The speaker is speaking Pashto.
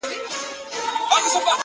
د ورځې ماته د جنت په نيت بمونه ښخ کړي!